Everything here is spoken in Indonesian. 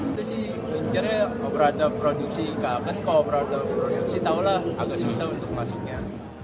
itu sih pencarian operator produksi kak kan kalau operator produksi tau lah agak susah untuk masuknya